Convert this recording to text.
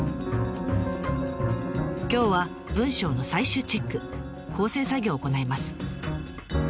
今日は文章の最終チェック校正作業を行います。